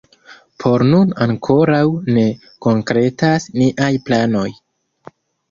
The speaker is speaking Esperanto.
Por nun ankoraŭ ne konkretas niaj planoj.